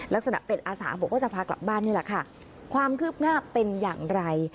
ลักษณะเป็นอาสาบอกว่าจะพากลับบ้านนี่แหละค่ะความคืบหน้าเป็นอย่างไร